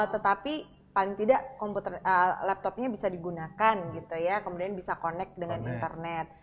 tetapi paling tidak komputer laptopnya bisa digunakan gitu ya kemudian bisa connect dengan internet